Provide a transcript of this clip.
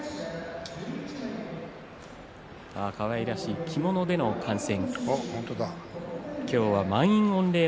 かわいらしい着物での観戦。